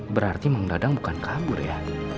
berarti menggadang bukan kabur ya